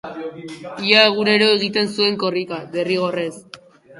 Ia egunero egiten zuen korrika, derrigorrez.